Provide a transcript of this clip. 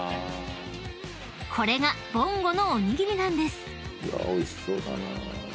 ［これが「ぼんご」のおにぎりなんです］